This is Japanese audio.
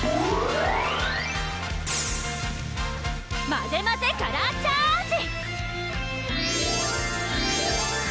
まぜまぜカラーチャージ！